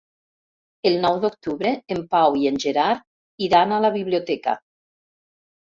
El nou d'octubre en Pau i en Gerard iran a la biblioteca.